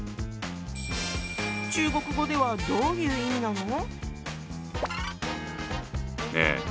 中国語ではどういう意味なの？